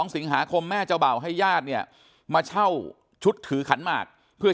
สิงหาคมแม่เจ้าบ่าวให้ญาติเนี่ยมาเช่าชุดถือขันหมากเพื่อ